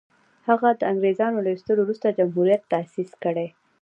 هغه د انګرېزانو له ایستلو وروسته جمهوریت تاءسیس کړي.